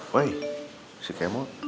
woy si kemo